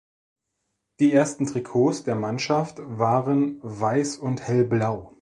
Die ersten Trikots der Mannschaft waren weiß und hellblau.